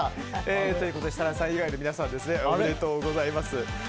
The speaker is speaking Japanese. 設楽さん以外の皆さんおめでとうございます。